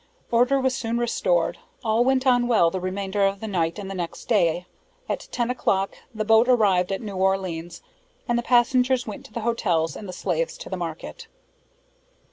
Order was soon restored; all went on well the remainder of the night, and the next day, at ten o'clock, the boat arrived at New Orleans, and the passengers went to the hotels and the slaves to the market!